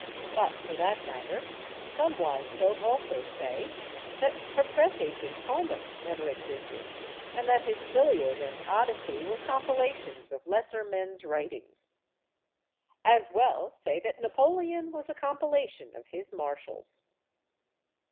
But, for that matter, some wise folk also say that her press agent, Homer, never existed, and that his "Iliad" and "Odyssey" were compilations of lesser men's writings. As well say that Napoleon was a "compila tion" of his marshals.